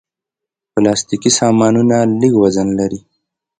پلاستيکي سامانونه لږ وزن لري.